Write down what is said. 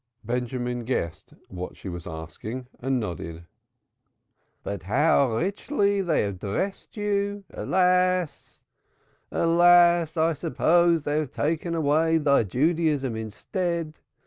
Benjamin guessed what she was asking and nodded. "But how richly they have dressed thee! Alas, I suppose they have taken away thy Judaism instead.